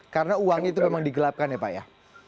karena uang itu memang digelapkan ya pak ya